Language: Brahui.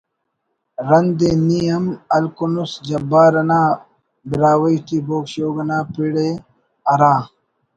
رند ءِ نی ہم ہلکنس جبارؔ انا براہوئی ٹی بوگ شوگ نا پڑ ءِ ہرا